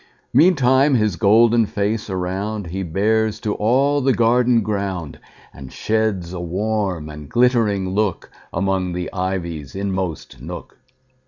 Meantime his golden face aroundHe bears to all the garden ground, And sheds a warm and glittering lookAmong the ivy's inmost nook.